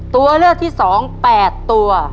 ตัวเลือดที่สองแปดตัว